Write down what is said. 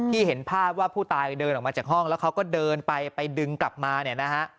เห็นภาพว่าผู้ตายเดินออกมาจากห้องแล้วเขาก็เดินไปไปดึงกลับมาเนี่ยนะฮะ